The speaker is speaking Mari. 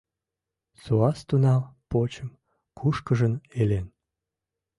Суас тунам почым кушкыжын илен